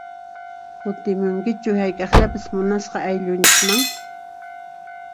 Kutimunkichu hayk'aqllapis munasqa ayllunchisman?